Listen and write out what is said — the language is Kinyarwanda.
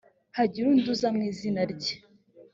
hagira undi uza mu izina rye